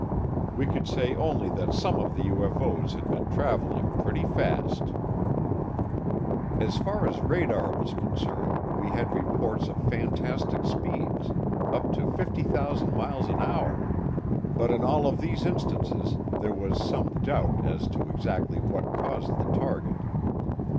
We could say only that some of the UFO's had been traveling pretty fast. As far as radar was concerned, we had reports of fantastic speeds up to 50,000 miles an hour but in all of these instances there was some doubt as to exactly what caused the target.